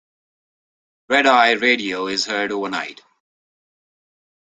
Red Eye Radio is heard overnight.